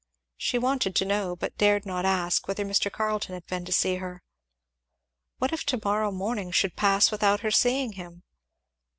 She wanted to know, but dared not ask, whether Mr. Carleton had been to see her. What if to morrow morning should pass without her seeing him?